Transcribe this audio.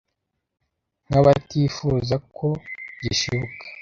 Nkabatifuza ko gishibuka